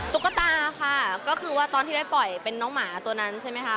ตุ๊กตาค่ะก็คือว่าตอนที่ได้ปล่อยเป็นน้องหมาตัวนั้นใช่ไหมคะ